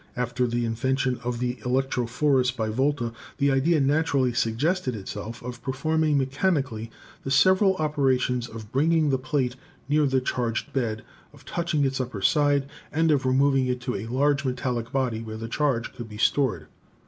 After the invention of the electrophorus by Volta, the idea naturally suggested itself of performing mechanically the several operations of bringing the plate near the charged bed, of touching its upper side, and of removing it to a. large metallic body where the charge could be stored.